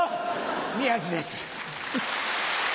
宮治です。